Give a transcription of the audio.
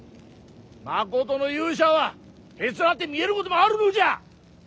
まことの勇者はへつらって見えることもあるのじゃ。